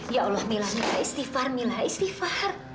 ya allah milah istighfar mila istighfar